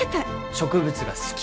植物が好き